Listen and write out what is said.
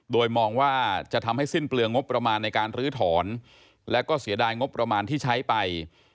โดยมองว่าจะทำให้สิ้นเปลืองงบประมาณในการลื้อถอนและก็เสียดายงบประมาณที่ใช้ไป